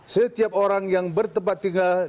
setiap orang yang bertempat tinggal